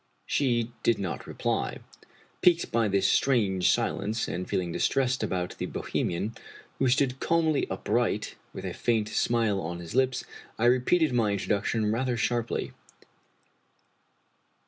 She did not reply. Piqued by this strange silence, and feeling distressed about the Bohemian, who stood calmly upright, with a faint smile on his lips, I repeated my introduction rather sharply.